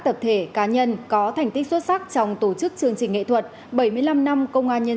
tập thể cá nhân có thành tích xuất sắc trong tổ chức chương trình nghệ thuật bảy mươi năm năm công an nhân